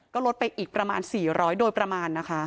ก็ลดไปอีกประมาณ๔๐๐โดยประมาณนะคะ